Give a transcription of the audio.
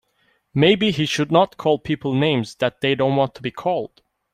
Maybe he should not call people names that they don't want to be called.